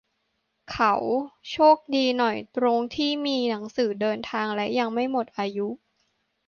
เขา "โชคดี" หน่อยตรงที่มีหนังสือเดินทางและยังไม่หมดอายุ